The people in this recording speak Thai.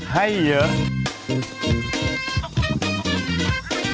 ไข่เยอะ